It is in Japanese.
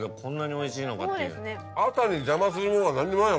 朝に邪魔するものが何にもないよ